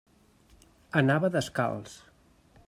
Anava descalç.